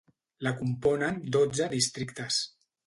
La componen dotze districtes.